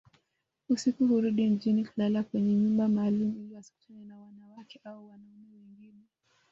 Usiku hurudi mjini kulala kwenye nyumba maalumu ili wasikutane na wanawake au wanaume wengine